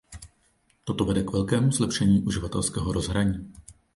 Toto vede k velkému zlepšení uživatelského rozhraní.